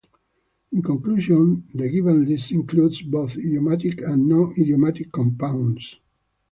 In conclusion, the given list includes both idiomatic and non-idiomatic compounds.